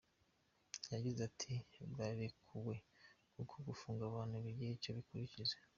Yagize ati “Barekuwe kuko gufunga abantu bigira icyo bikurikiza.